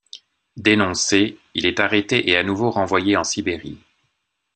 Dénoncé, il est arrêté et à nouveau renvoyé en Sibérie.